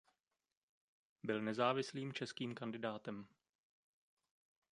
Byl nezávislým českým kandidátem.